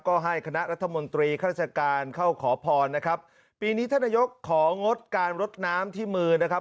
ก็ให้คณะรัฐมนตรีข้าราชการเข้าขอพรนะครับปีนี้ท่านนายกของงดการรดน้ำที่มือนะครับ